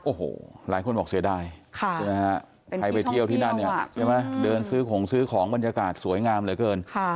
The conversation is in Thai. โอ้โหหลายคนบอกเสียดายใช่ไหมฮะใครไปเที่ยวที่นั่นเนี่ยใช่ไหมเดินซื้อของซื้อของบรรยากาศสวยงามเหลือเกิน